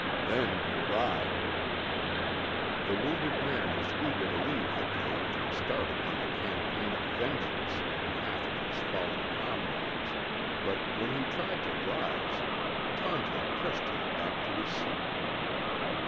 Then we ride." The wounded man was eager to leave the cave and start upon a campaign of vengeance in behalf of his fallen comrades, but when he tried to rise, Tonto pressed him back to his seat.